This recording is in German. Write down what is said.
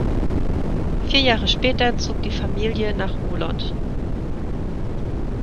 Vier Jahre später zog die Familie nach Olot.